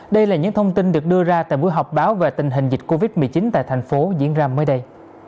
đây là những thông tin được đưa ra tại buổi họp báo về tình hình dịch covid một mươi chín tại thành phố diễn ra mới đây